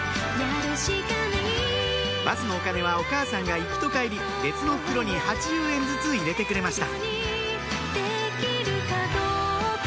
バスのお金はお母さんが行きと帰り別の袋に８０円ずつ入れてくれました